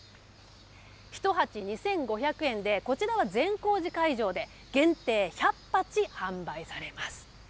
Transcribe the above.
１鉢２５００円で、こちらは善光寺会場で、限定１００鉢販売されます。